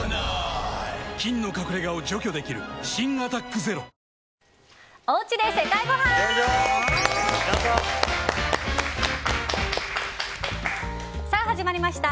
菌の隠れ家を除去できる新「アタックＺＥＲＯ」始まりました